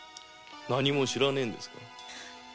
何も知らねぇんですか？